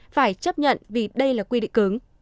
phải chấp nhận vì đây là quy định cứng